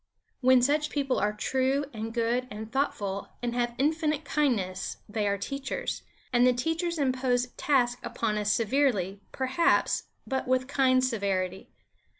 When such people are true and good and thoughtful and have infinite kindness, they are teachers; and the teachers impose tasks upon us severely, perhaps, but with kind severity.